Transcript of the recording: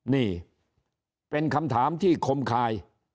นี่เป็นคำถามที่คมคาย